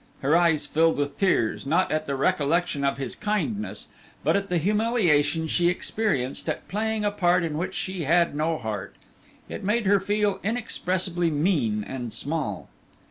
Her eyes filled with tears, not at the recollection of his kindness, but at the humiliation she experienced at playing a part in which she had no heart. It made her feel inexpressibly mean and small.